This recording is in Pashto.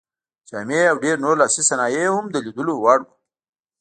جامې او ډېر نور لاسي صنایع یې هم د لیدلو وړ وو.